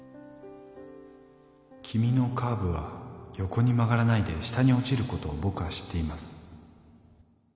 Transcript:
君のカーブは横に曲がらないで下に落ちることを僕は知っています